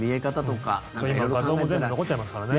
今画像も全部残っちゃいますからね。